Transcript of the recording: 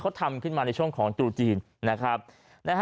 เขาทำขึ้นมาในช่วงของจูจีน